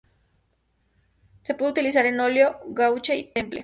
Se puede utilizar en óleo, gouache, temple...